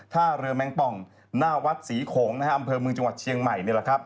ท่าเรือแมงป่องหน้าวัดศรีโขงอำเภอเมืองจังหวัดเชียงใหม่